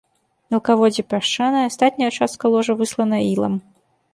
Мелкаводдзе пясчанае, астатняя частка ложа выслана ілам.